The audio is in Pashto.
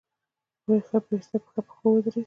بېرته پر پښو ودرېد.